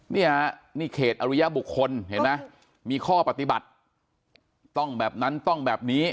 เนี่ยนี่เขตอริยบุคคลเห็นไหมมีข้อปฏิบัติต้องแบบนั้นต้องแบบนี้